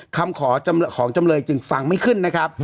คำขอของจำเลยจึงฟังไม่ขึ้นนะครับ